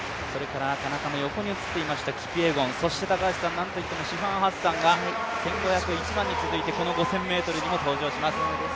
田中の横に映っていましたキピエゴン、そして何といってもシファン・ハッサンが１５００、１００００に続いてこの５０００ｍにも登場します。